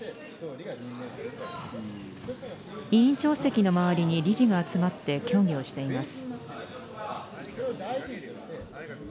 委員長席の周りに理事が集まって、協議をしています。